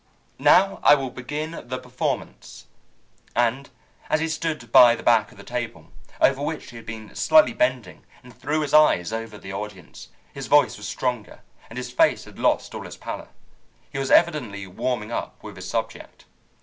"Now I will begin the performance." And as he stood by the back of the table, over which he had been slightly bending, and threw his eyes over the audience, his voice was stronger, and his face had lost all its pallor. He was evidently warming up with his subject.